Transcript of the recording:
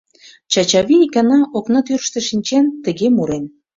Чачавий икана, окна тӱрыштӧ шинчен, тыге мурен: